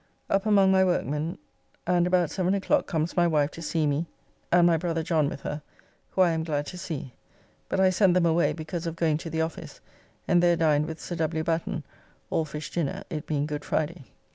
Up among my workmen, and about 7 o'clock comes my wife to see me and my brother John with her, who I am glad to see, but I sent them away because of going to the office, and there dined with Sir W. Batten, all fish dinner, it being Good Friday.